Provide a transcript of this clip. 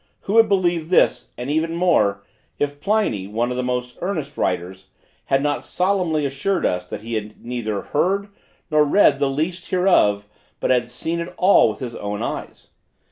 Who would believe this and even more, if Pliny, one of the most earnest writers, had not solemnly assured us, that he had neither heard nor read the least hereof, but had seen it all with his own eyes?